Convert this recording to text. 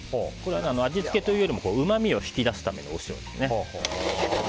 味付けというよりうまみを引き出すためのお塩です。